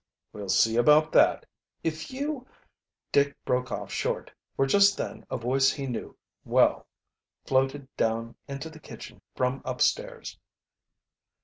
"We'll see about that. If you " Dick broke off short, for just then a voice he knew well floated down into the kitchen from upstairs.